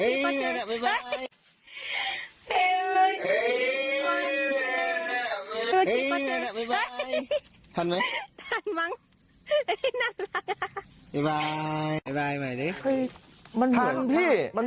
ชอบมันก็แบบใบบาทจริง